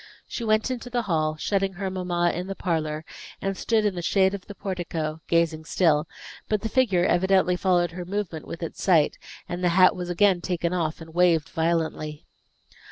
She went into the hall, shutting her mamma in the parlor, and stood in the shade of the portico, gazing still. But the figure evidently followed her movement with its sight, and the hat was again taken off, and waved violently.